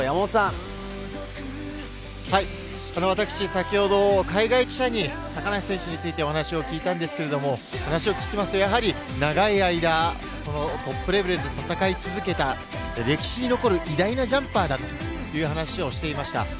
はい、私、先ほど海外記者に、高梨選手についてお話を聞いたんですけど、話を聞きますと、やはり長い間トップレベルで戦い続けた歴史に残る偉大なジャンパーだという話をしていました。